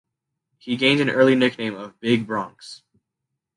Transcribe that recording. He gained an early nickname of "Big Bronx".